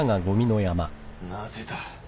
なぜだ？